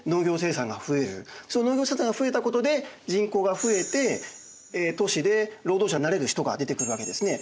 その農業生産が増えたことで人口が増えて都市で労働者になれる人が出てくるわけですね。